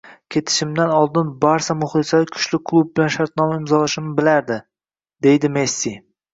Ketishimdan oldin “Barsa” muxlislari kuchli klub bilan shartnoma imzolashimni bilardi — deydi Messi